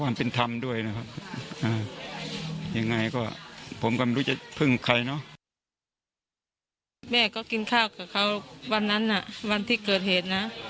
แม่ก็กินข้าวกับเขาวันนั้นวันที่เกิดเหตุนะ